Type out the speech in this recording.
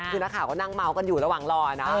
คือนักข่าวก็นั่งเมาส์กันอยู่ระหว่างรอนะ